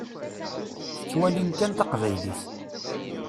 Tettwalim kan taqbaylit.